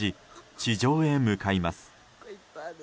地上へ向かいます。